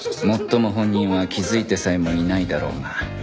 もっとも本人は気づいてさえもいないだろうが